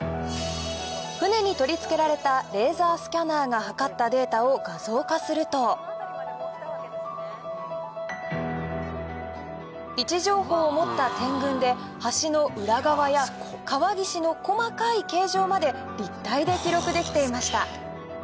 船に取り付けられたレーザースキャナーが測ったデータを画像化すると位置情報を持った点群で橋の裏側や川岸の細かい形状まで立体で記録できていました